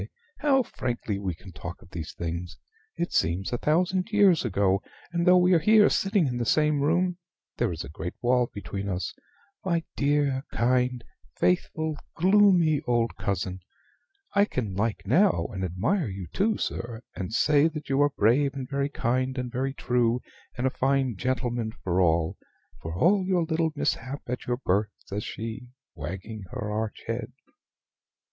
How frankly we can talk of these things! It seems a thousand years ago: and, though we are here sitting in the same room, there is a great wall between us. My dear, kind, faithful, gloomy old cousin! I can like now, and admire you too, sir, and say that you are brave, and very kind, and very true, and a fine gentleman for all for all your little mishap at your birth," says she, wagging her arch head.